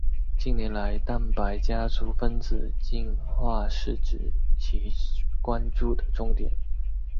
近年来蛋白家族分子进化是其关注的重点。